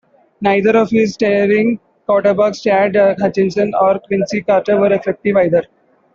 Neither of his starting quarterbacks, Chad Hutchinson or Quincy Carter, were effective either.